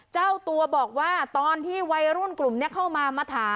เจ้าตัวบอกว่าตอนที่วัยรุ่นกลุ่มนี้เข้ามามาถาม